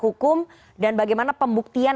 hukum dan bagaimana pembuktian